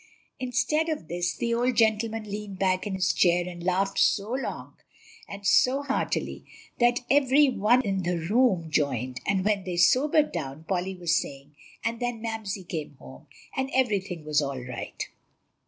Instead of this, the old gentleman leaned back in his chair, and laughed so long and so heartily that every one in the room joined; and when they sobered down, Polly was saying, "And then Mamsie came home, and everything was all right."